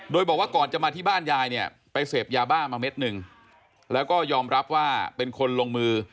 โดยบอกว่าก่อนจะมาที่บ้านยายเนี่ยไปเสพยาบ้ามาเม็ดหนึ่งแล้วก็ยอมรับว่าเป็นคนลงมือ